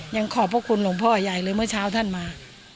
ขอบพระคุณหลวงพ่อใหญ่เลยเมื่อเช้าท่านมา